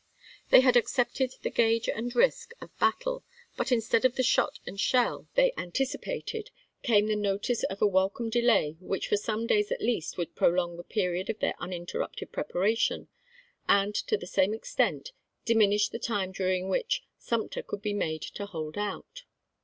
They had accepted the gage and risk of battle ; but instead of the shot and shell they anticipated, came the notice of a welcome delay which for some days at least would prolong the period of their uninterrupted preparation, and to the same extent diminish the time during which Sumter could be made to hold out.